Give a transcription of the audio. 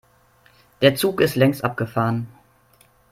Der Zug ist längst abgefahren.